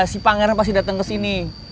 si pangeran pasti datang kesini